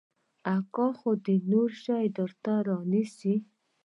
اکا خو دې نور شى درته نه رانيسي.